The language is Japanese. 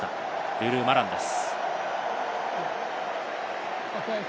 ルルー・マランです。